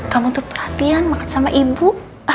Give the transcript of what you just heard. kamu untuk perhatian makan sama ibu